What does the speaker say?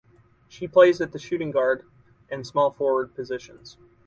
She plays at the shooting guard and small forward positions.